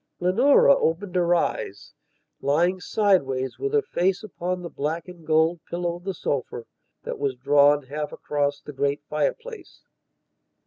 Leonora opened her eyes, lying sideways, with her face upon the black and gold pillow of the sofa that was drawn half across the great fireplace.